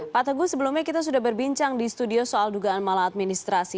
pak teguh sebelumnya kita sudah berbincang di studio soal dugaan maladministrasi